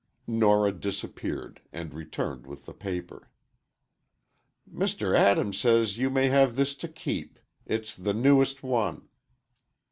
Nora disappeared and returned with a paper. "Mr. Adams says you may have this to keep. It's the newest one."